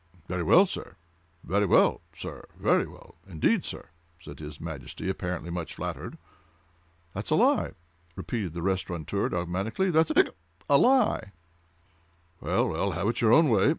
"Very well!—very well, sir!—very well, indeed, sir!" said his Majesty, apparently much flattered. "That's a lie!" repeated the restaurateur, dogmatically; "that's a—hiccup!—a lie!" "Well, well, have it your own way!"